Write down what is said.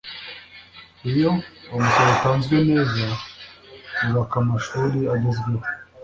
iyo umusoro utanzwe neza bubaka mashuri agezweho